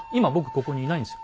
ここにいないんですよ。